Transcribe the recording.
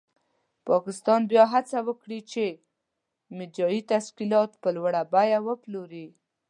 پاکستان به هڅه وکړي چې میډیایي تشکیلات په لوړه بیه وپلوري.